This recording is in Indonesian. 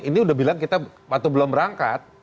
ini udah bilang kita waktu belum berangkat